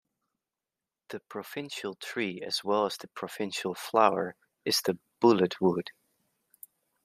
The provincial tree as well as the provincial flower is the "bullet wood".